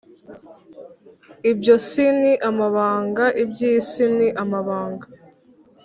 Ibyo isi ni amabanga. [Iby’isi ni amabanga.]